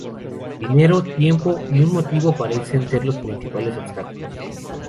Dinero, tiempo y un motivo parecen ser los principales obstáculos.